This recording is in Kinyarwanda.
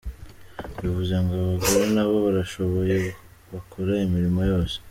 Bivuze ngo abagore nabo barashoboye, bakora imirimo yose.